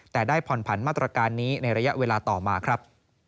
แต่ได้ผ่อนผันมาตรการนี้ในระยะเวลาต่อมาครับ